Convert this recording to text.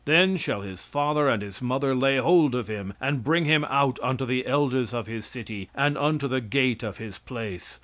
"Then shall his father and his mother lay hold of him, and bring him out unto the elders of his city, and unto the gate of his place.